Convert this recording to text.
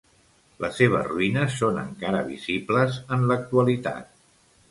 Les seves ruïnes són encara visibles en l'actualitat.